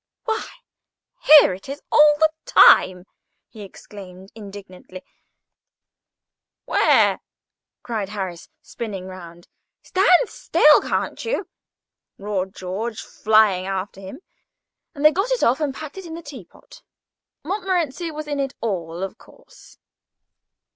"Why, here it is all the time," he exclaimed, indignantly. "Where?" cried Harris, spinning round. "Stand still, can't you!" roared George, flying after him. And they got it off, and packed it in the teapot. Montmorency was in it all, of course.